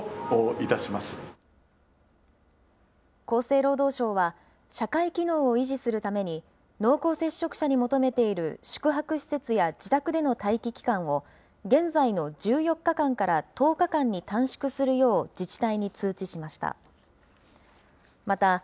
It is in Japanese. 厚生労働省は、社会機能を維持するために、濃厚接触者に求めている宿泊施設や、自宅での待機期間を、現在の１４日間から１０日間に短縮するよう、自治体に通知しました。